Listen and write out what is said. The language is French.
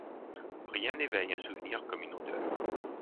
Rien n’éveille un souvenir comme une odeur.